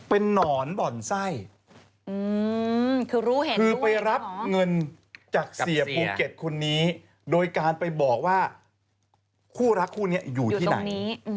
เป็นนอนบ่อนไส้คือรู้เห็นคือไปรับเงินจากเสียภูเก็ตคนนี้โดยการไปบอกว่าคู่รักคู่นี้อยู่ที่ไหน